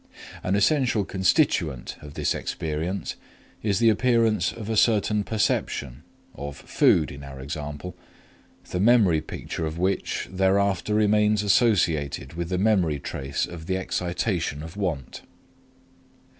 An essential constituent of this experience is the appearance of a certain perception (of food in our example), the memory picture of which thereafter remains associated with the memory trace of the excitation of want.